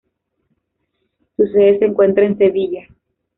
Su sede se encuentra en Sevilla.